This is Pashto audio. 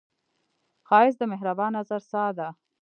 ښایست د مهربان نظر ساه ده